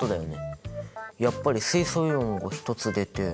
やっぱり水素イオンが１つ出てあれ？